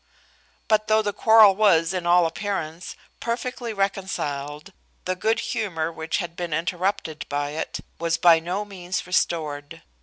But though the quarrel was, in all appearance, perfectly reconciled, the good humour which had been interrupted by it, was by no means restored.